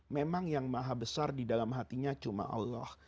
memang yang maha besar di dalam hatinya cuma allah